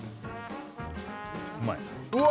うまい？